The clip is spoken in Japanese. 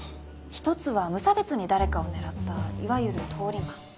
一つは無差別に誰かを狙ったいわゆる通り魔。